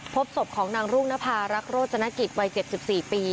พบศพของนางรุ่งนภารักษ์โรจนกิจวัย๗๔ปี